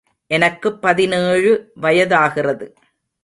எனக்குப் பதினேழு வயதாகிறது.